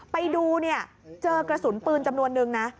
ไปดูเนี่ยเจอกระสุนปืนจำนวนนึงนะ